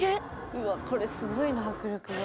うわこれすごいな迫力が。